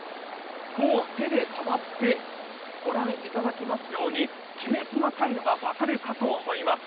手で触って、御覧いただけますようにきめ細かいのが分かるかと思います。